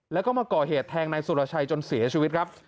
แล้วก็มาก่อเหตุแทงนายสุรชัยจนเสียชีวิตครับ